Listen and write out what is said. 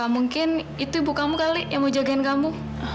mungkin itu ibu kamu kali yang mau jagain kamu